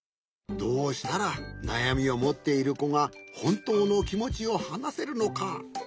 どうしたらなやみをもっているこがほんとうのきもちをはなせるのか。